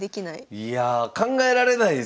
いや考えられないですよね